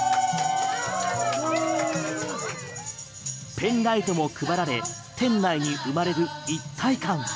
ペンライトも配られ店内に生まれる一体感。